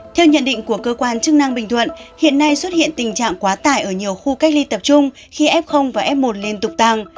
theo nhận định của cơ quan chức năng bình thuận hiện nay xuất hiện tình trạng quá tải ở nhiều khu cách ly tập trung khi f và f một liên tục tăng